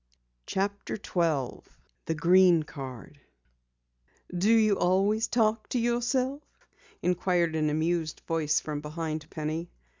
CHAPTER 12 THE GREEN CARD "Do you always talk to yourself?" inquired an amused voice from behind Penny.